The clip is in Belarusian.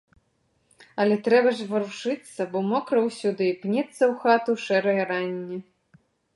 Але трэба ж варушыцца, бо мокра ўсюды, і пнецца ў хату шэрае ранне.